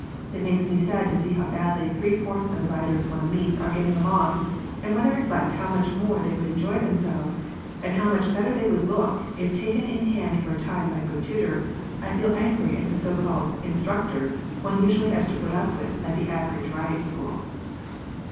It makes me sad to see how badly three fourths of the riders one meets are getting along, and when I reflect how much more they would enjoy themselves, and how much better they would look if taken in hand for a time by a good tutor, I feel angry at the so called "Instructors" one usually has to put up with at the average riding school.